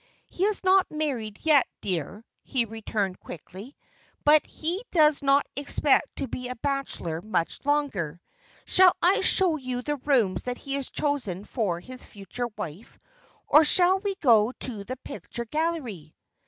"He is not married yet, dear," he returned, quickly, "but he does not expect to be a bachelor much longer. Shall I show you the rooms that he has chosen for his future wife, or shall we go to the picture gallery?"